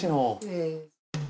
ええ。